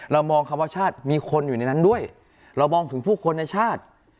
มองคำว่าชาติมีคนอยู่ในนั้นด้วยเรามองถึงผู้คนในชาติ